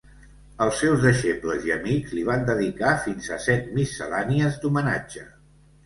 Els seus deixebles i amics li van dedicar fins a set miscel·lànies d'homenatge.